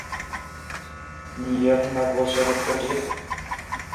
Ní déarfainn ná go bhfuil sé rud beag éadrom